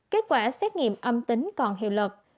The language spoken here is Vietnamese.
kết quả xét nghiệm âm tính còn hiệu lực